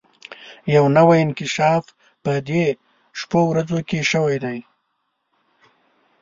يو نوی انکشاف په دې شپو ورځو کې شوی دی.